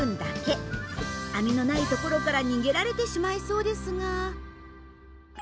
網のない所から逃げられてしまいそうですが。